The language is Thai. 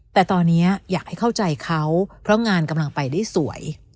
แต่ตอนนี้อยากให้เข้าใจเขาเพราะงานกำลังไปได้สวย